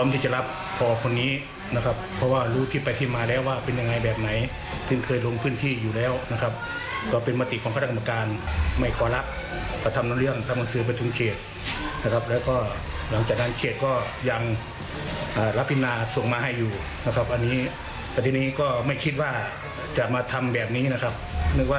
ภาษาภาษาภาษาภาษาภาษาภาษาภาษาภาษาภาษาภาษาภาษาภาษาภาษาภาษาภาษาภาษาภาษาภาษาภาษาภาษาภาษาภาษาภาษาภาษาภาษาภาษาภาษาภาษาภาษาภาษาภาษาภา